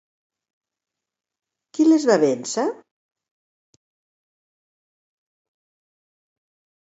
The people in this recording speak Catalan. Qui les va vèncer?